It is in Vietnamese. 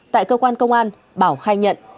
tại cơ quan công an bảo khai nhận